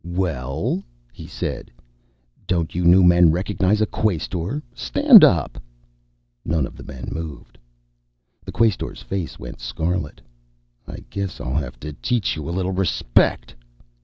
"Well?" he said. "Don't you new men recognize a Quaestor? Stand up!" None of the men moved. The Quaestor's face went scarlet. "I guess I'll have to teach you a little respect."